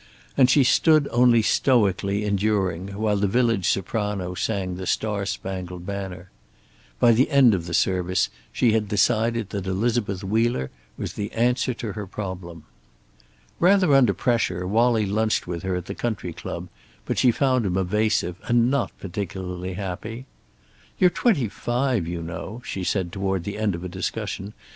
And she stood only stoically enduring while the village soprano sang "The Star Spangled Banner." By the end of the service she had decided that Elizabeth Wheeler was the answer to her problem. Rather under pressure, Wallie lunched with her at the country club, but she found him evasive and not particularly happy. "You're twenty five, you know," she said, toward the end of a discussion.